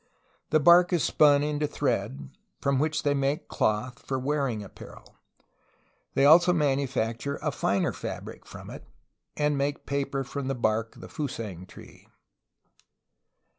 The bark is spun into thread, from which they make cloth for wearing apparel. They also manufacture a finer fabric from it. .. and make paper from the bark of the Fusang tree.